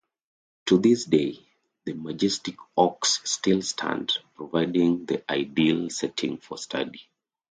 To this day, the majestic oaks still stand, providing the ideal setting for study.